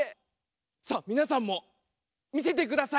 さあみなさんもみせてください。